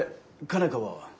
佳奈花は？